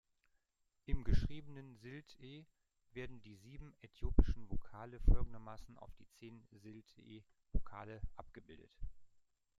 Im geschriebenen Silt’e werden die sieben äthiopischen Vokale folgendermaßen auf die zehn Silt’e-Vokale abgebildet.